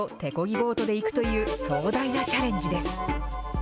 ボートで行くという壮大なチャレンジです。